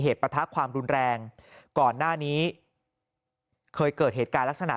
ประทะความรุนแรงก่อนหน้านี้เคยเกิดเหตุการณ์ลักษณะ